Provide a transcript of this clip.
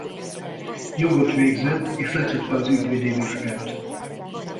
Jogot végzett és letette az ügyvédi vizsgát.